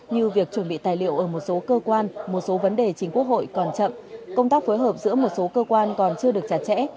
như việc chuẩn bị tài liệu ở một số cơ quan một số vấn đề chính quốc hội còn chậm công tác phối hợp giữa một số cơ quan còn chưa được chặt chẽ